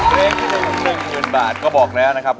เพลงที่๑๑๐๐๐บาทก็บอกแล้วนะครับ